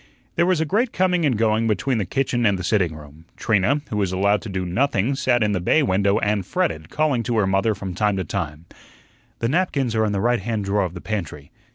There was a great coming and going between the kitchen and the sitting room. Trina, who was allowed to do nothing, sat in the bay window and fretted, calling to her mother from time to time: "The napkins are in the right hand drawer of the pantry."